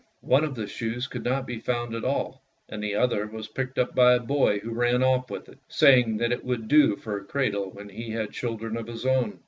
One of the shoes could not be found at all; and the other was picked up by a boy who ran off with it, saying that it would do for a cradle when he had children of his own.